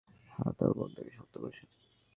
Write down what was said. হ্যাঁ তার বোন তাকে শনাক্ত করেছেন।